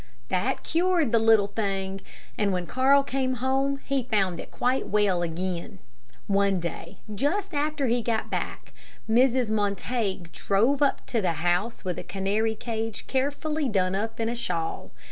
That cured the little thing, and when Carl came home, he found it quite well again. One day, just after he got back, Mrs. Montague drove up to the house with a canary cage carefully done up in a shawl.